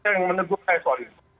yang menegur saya soal ini